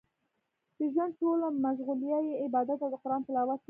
د ژوند ټوله مشغولا يې عبادت او د قران تلاوت و.